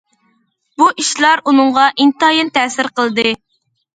بۇ ئىشلار ئۇنىڭغا ئىنتايىن تەسىر قىلدى.